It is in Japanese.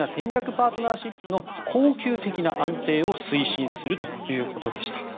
パートナーシップの恒久的な安定を推進するということでした。